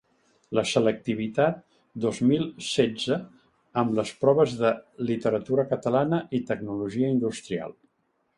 La selectivitat dos mil setze amb les proves de literatura catalana i tecnologia industrial.